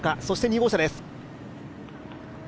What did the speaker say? そして２号車です。